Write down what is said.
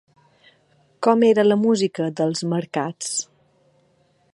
Com era la música d'Els marcats?